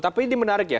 tapi ini menarik ya